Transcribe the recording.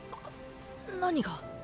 何が？？